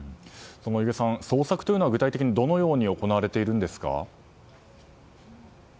弓削さん、捜索というのは具体的にどう行われているんですか。